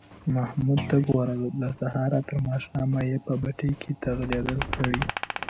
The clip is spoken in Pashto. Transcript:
محمود ته گوره! له سهاره تر ماښامه یې په پټي کې تغړېدل کړي